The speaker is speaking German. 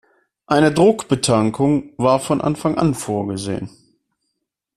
Eine Druckbetankung war von Anfang an vorgesehen.